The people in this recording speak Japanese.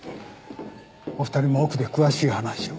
お二人も奥で詳しい話を。